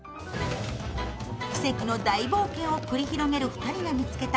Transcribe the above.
奇跡の大冒険を繰り広げる２人が見つけた